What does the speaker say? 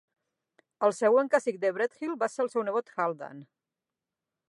El següent cacic de Brethil va ser el seu nebot Haldan.